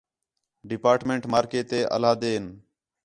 ڈیپارٹمنٹ مارکے تے علیحدہ ہین